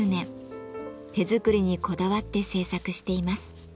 手作りにこだわって制作しています。